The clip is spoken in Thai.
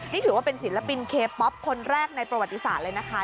นี่ถือว่าเป็นศิลปินเคป๊อปคนแรกในประวัติศาสตร์เลยนะคะ